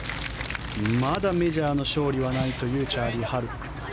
まだメジャーの勝利はないというチャーリー・ハル。